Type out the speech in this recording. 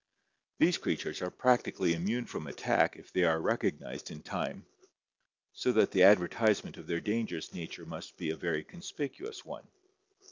These creatures are practically im mune from attack if they are recognized in time, so that the adver tisement of their dangerous nature must be a very conspicuous one.